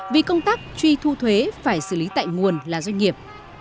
vì công tác truy thu thuế phải xử lý tại nguồn là doanh nghiệp